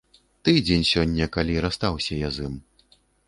Тыдзень сёння, калі расстаўся я з ім.